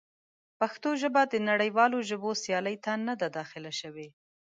پښتو ژبه د نړیوالو ژبو سیالۍ ته نه ده داخله شوې.